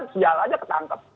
sial aja ketangkep